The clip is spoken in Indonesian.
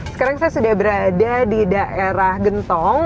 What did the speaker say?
sekarang saya sudah berada di daerah gentong